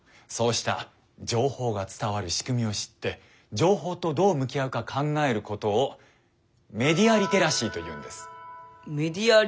そうした情報が伝わるしくみを知って情報とどう向き合うか考えることをメディア・リテラシー？